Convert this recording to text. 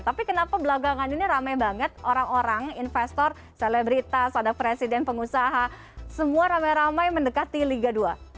tapi kenapa belakangan ini ramai banget orang orang investor selebritas ada presiden pengusaha semua ramai ramai mendekati liga dua